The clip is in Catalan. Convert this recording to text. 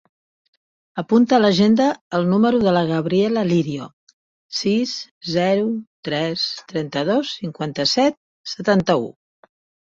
Apunta a l'agenda el número de la Gabriela Lirio: sis, zero, tres, trenta-dos, cinquanta-set, setanta-u.